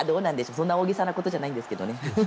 そんな大げさなことじゃないんですけどね。